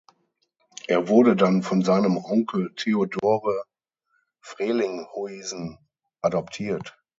Er wurde dann von seinem Onkel Theodore Frelinghuysen adoptiert.